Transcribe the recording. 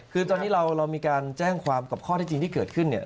คือตอนนี้เรามีการแจ้งความกับข้อที่จริงที่เกิดขึ้นเนี่ย